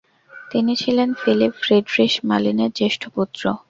তিনি ছিলেন Philipp Friedrich মালিনের জ্যেষ্ঠ পুত্র।